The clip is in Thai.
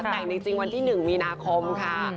แต่งจริงวันที่๑มีนาคมค่ะ